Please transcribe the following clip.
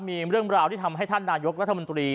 มีเรื่องราวที่ทำให้ท่านนายกรัฐมนตรี